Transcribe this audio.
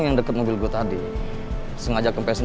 kamu tolong jagain adi ya